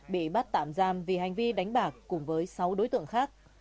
bị bắt tạm giam vì hành vi đánh bạc cùng với sáu đối tượng khác